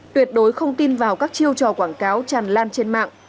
tuyệt đối không tin vào các chiêu trò quảng cáo tràn lan trên mạng